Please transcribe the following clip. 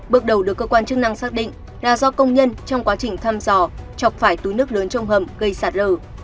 bước đầu được cơ quan chức năng xác định là do công nhân trong quá trình thăm dò chọc phải túi nước lớn trong hầm gây sạt lở